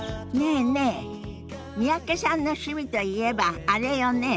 え三宅さんの趣味といえばあれよね。